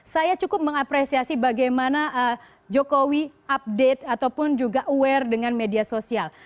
saya cukup mengapresiasi bagaimana jokowi update ataupun juga aware dengan media sosial